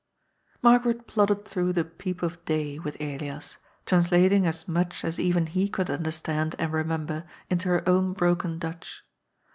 Margaret plodded through the "Peep of Day*' with Elias, translating as much as even he could understand and remember into her own broken Dutch.